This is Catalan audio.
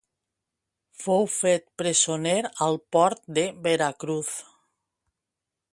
Fou fet presoner al port de Veracruz.